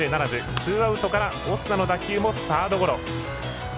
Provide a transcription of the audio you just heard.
ツーアウトからオスナの打球もサードゴロ。